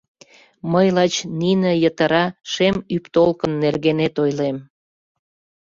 Мый лач нине йытыра шем ӱптолкын нергенет ойлем.